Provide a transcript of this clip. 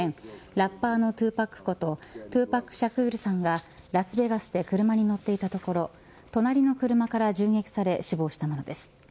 ラッパーの２Ｐａｃことトゥパック・シャクールさんがラスベガスで車に乗っていたところ隣の車から銃撃され死亡したものです。